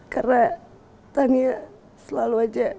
karena tania selalu aja